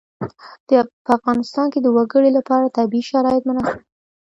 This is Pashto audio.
په افغانستان کې د وګړي لپاره طبیعي شرایط مناسب دي.